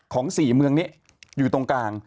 ๔เมืองนี้อยู่ตรงกลาง